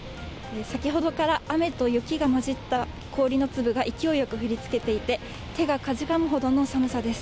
先ほどから雨と雪が交じった氷の粒が勢いよく降りつけていて、手がかじかむほどの寒さです。